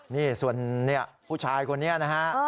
นี่ส่วนผู้ชายคนนี้นะฮะ